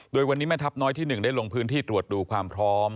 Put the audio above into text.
โดยวันนี้แม่ทัพน้อยที่๑ได้ลงพื้นที่ตรวจดูความพร้อม